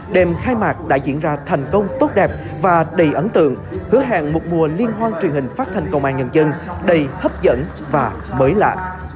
đêm khai mạc đã diễn ra thành công tốt đẹp và đầy ấn tượng hứa hẹn một mùa liên hoan truyền hình phát thanh công an nhân dân đầy hấp dẫn và mới lạ